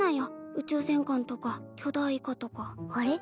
宇宙戦艦とか巨大イカとかあれっ？